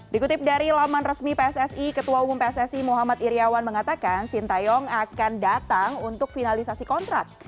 dikutip dari laman resmi pssi ketua umum pssi muhammad iryawan mengatakan sintayong akan datang untuk finalisasi kontrak